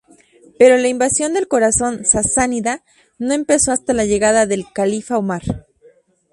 Pero la invasión del corazón sasánida no empezó hasta la llegada del califa Omar.